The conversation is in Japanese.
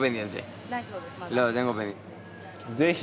ぜひ！